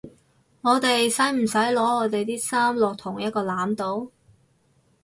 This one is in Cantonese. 我哋使唔使擺我地啲衫落同一個籃度？